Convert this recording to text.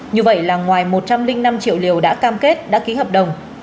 như vậy là ngoài một trăm linh năm triệu liều đã cam kết đã ký hợp đồng